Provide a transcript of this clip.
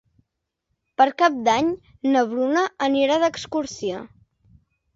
Per Cap d'Any na Bruna anirà d'excursió.